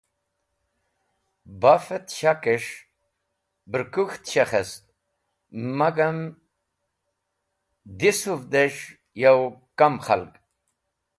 Shakẽt bafẽs̃h bẽr kũk̃ht shekhẽst magam dhisũvdẽs̃h yo kam khalg